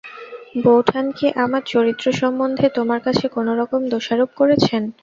বউঠান কি আমার চরিত্রসম্বন্ধে তোমার কাছে কোনোরকম দোষারোপ করেছেন।